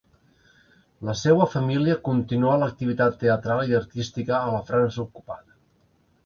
La seua família continuà l’activitat teatral i artística a la França ocupada.